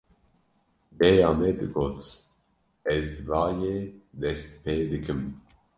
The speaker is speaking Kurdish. Dêya me digot: Ez va ye dest pê dikim